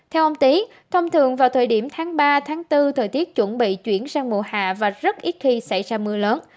theo ông tý thông thường vào thời điểm tháng ba bốn thời tiết chuẩn bị chuyển sang mùa hạ và rất ít khi xảy ra mưa lớn